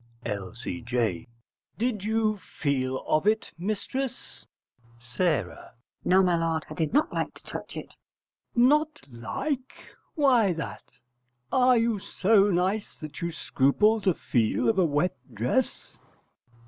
L.C.J. Did you feel of it, mistress? S. No, my lord, I did not like to touch it. L.C.J. Not like? Why that? Are you so nice that you scruple to feel of a wet dress?